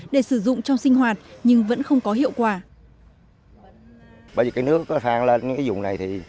để sử dụng trong sinh hoạt nhưng vẫn không có hiệu quả